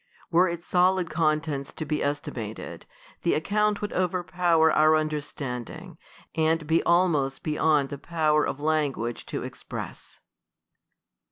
Were its solid contents to be es timated, the account would overpower our understand ing, and be almost beyond the power of language to express.